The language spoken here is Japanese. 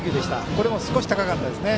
これも少し高かったですね。